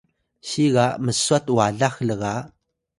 siga mswat walax lga